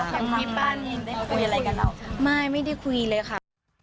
ทางที่บ้านได้คุยอะไรกับเราไม่ไม่ได้คุยเลยค่ะ